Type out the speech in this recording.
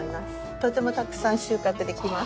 とてもたくさん収穫できます。